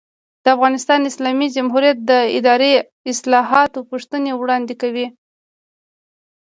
د افغانستان اسلامي جمهوریت د اداري اصلاحاتو پوښتنې وړاندې کوي.